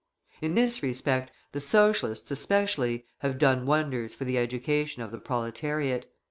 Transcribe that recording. In this respect the Socialists, especially, have done wonders for the education of the proletariat.